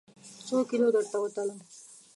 څوکیلو درته وتلم؟